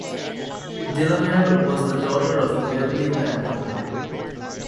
Delamare was the daughter of a wealthy land owner.